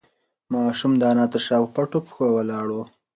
ماشوم د انا تر شا په پټو پښو ولاړ و.